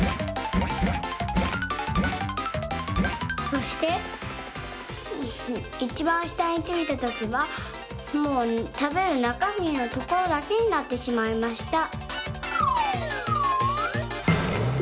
そしていちばんしたについたときはもうたべるなかみのところだけになってしまいました。